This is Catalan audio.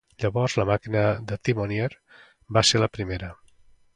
Llavors la màquina de Thimonnier no va ser la primera.